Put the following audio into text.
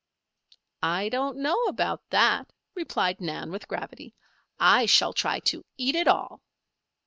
"I don't know about that," replied Nan, with gravity. "I shall try to eat it all."